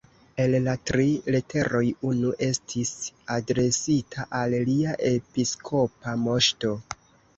El la tri leteroj unu estis adresita al Lia Episkopa Moŝto.